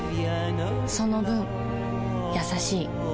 その分優しい